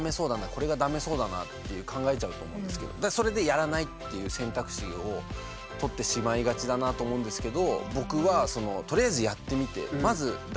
これがダメそうだなって考えちゃうと思うんですけどそれでやらないっていう選択肢をとってしまいがちだなと思うんですけど